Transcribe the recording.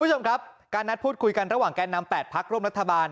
คุณผู้ชมครับการนัดพูดคุยกันระหว่างแก่นำ๘พักร่วมรัฐบาล